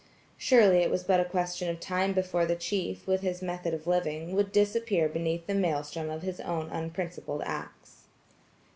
Surely it was but a question of time before the chief, with his method of living, would disappear beneath the maelstrom of his own unprincipled acts.